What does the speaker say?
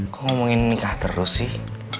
kok ngomongin nikah terus sih